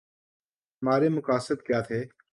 ہمارے مقاصد کیا تھے؟